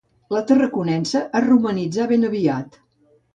La Tarraconense es romanitzà ben aviat.